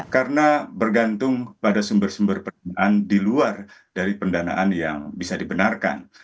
karena bergantung pada sumber sumber pendanaan di luar dari pendanaan yang bisa dibenarkan